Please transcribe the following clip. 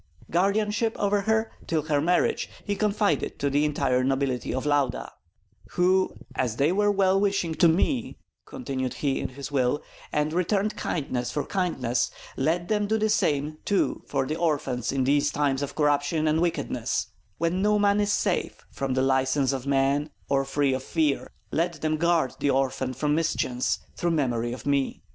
Guardianship over her till her marriage he confided to the entire nobility of Lauda "who, as they were well wishing to me," continued he in the will, "and returned kindness for kindness, let them do the same too for the orphan in these times of corruption and wickedness, when no one is safe from the license of men or free of fear; let them guard the orphan from mischance, through memory of me.